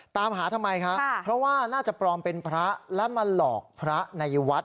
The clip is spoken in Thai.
ตามหาทำไมคะเพราะว่าน่าจะปลอมเป็นพระและมาหลอกพระในวัด